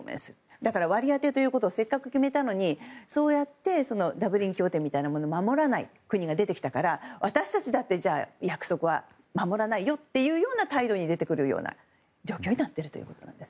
だから割り当てということをせっかく決めたのにそうやってダブリン協定を守らない国が出てきたから私たちだってじゃあ約束は守らないよという態度に出てくるような状況になっているということです。